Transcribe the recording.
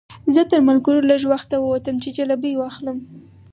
زه تر ملګرو لږ وخته ووتم چې جلبۍ واخلم.